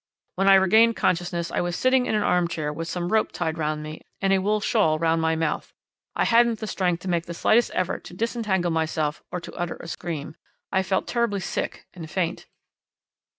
"'"When I regained consciousness I was sitting in an arm chair with some rope tied round me and a wool shawl round my mouth. I hadn't the strength to make the slightest effort to disentangle myself or to utter a scream. I felt terribly sick and faint."'